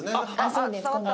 そうです５の。